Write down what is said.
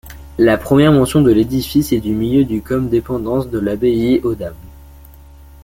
La première mention de l'édifice est du milieu du comme dépendance de l'abbaye-aux-Dames.